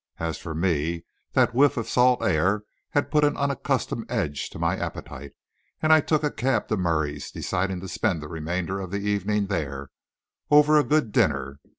As for me, that whiff of salt air had put an unaccustomed edge to my appetite, and I took a cab to Murray's, deciding to spend the remainder of the evening there, over a good dinner.